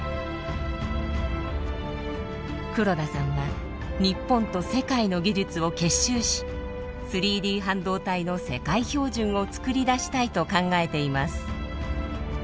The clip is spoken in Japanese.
黒田さんは日本と世界の技術を結集し３Ｄ半導体の世界標準をつくり出したいと考えています。